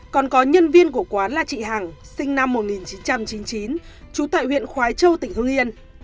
còn có nhân viên của quán là chị hằng sinh năm một nghìn chín trăm chín mươi chín trú tại huyện khói châu tỉnh hương yên